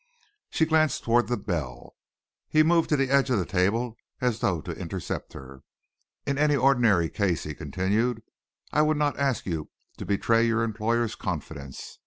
She glanced towards the bell. He moved to the edge of the table as though to intercept her. "In any ordinary case," he continued, "I would not ask you to betray your employer's confidence.